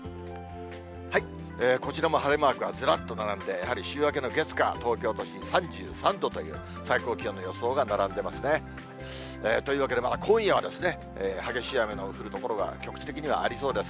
こちらも晴れマークがずらっと並んで、やはり週明けの月、火、東京都心３３度という最高気温の予想が並んでいますね。というわけで今夜は激しい雨の降る所が局地的にはありそうです。